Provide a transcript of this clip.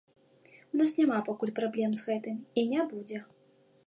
У нас няма пакуль праблем з гэтым і не будзе.